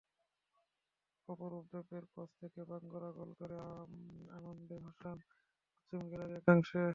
অরূপ বৈদ্যর ক্রস থেকে Bangura goal করে আনন্দে ভাসান পশ্চিম গ্যালারির একাংশকে।